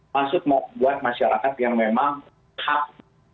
masuk buat masyarakat yang memang hak